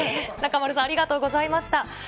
中丸さん、ありがとうございました。